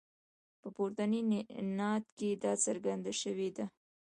په پورتني نعت کې دا څرګنده شوې ده.